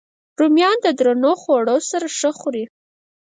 رومیان د درنو خوړو سره ښه خوري